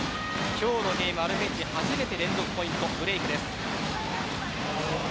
今日のゲーム、アルゼンチンは初めて連続ポイントブレークです。